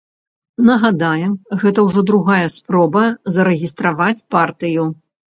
Нагадаем, гэта ўжо другая спроба зарэгістраваць партыю.